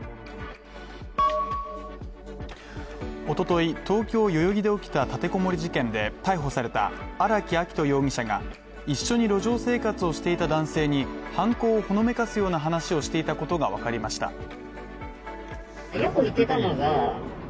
一昨日、東京代々木で起きた立てこもり事件で、逮捕された荒木秋冬容疑者が、一緒に路上生活をしていた男性に犯行をほのめかすような話をしていたことがわかりました。